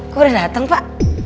kok udah dateng pak